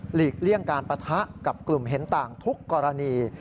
ลีกเลี่ยงการปะทะกับกลุ่มเห็นต่างทุกกรณี